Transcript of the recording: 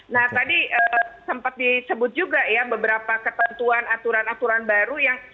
nah tadi sempat disebut juga ya beberapa ketentuan aturan aturan baru yang